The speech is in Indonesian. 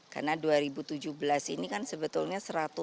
karena dua ribu tujuh belas ini kan sebetulnya satu ratus satu